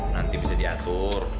nanti bisa diatur